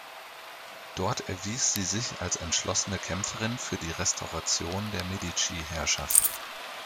Dort erwies sie sich als entschlossene Kämpferin für die Restauration der Medici-Herrschaft.